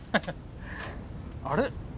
あれ？